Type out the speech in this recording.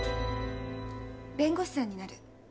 弁護士さんになる。